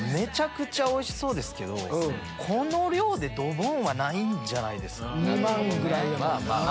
おいしそうですけどこの量でドボンはないんじゃないですか？